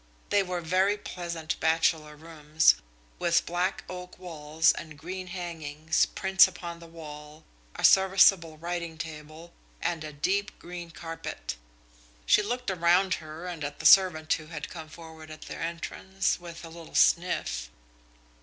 They were very pleasant bachelor rooms, with black oak walls and green hangings, prints upon the wall, a serviceable writing table, and a deep green carpet. She looked around her and at the servant who had come forward at their entrance, with a little sniff.